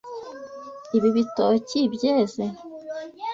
Ibi bitoki byeze?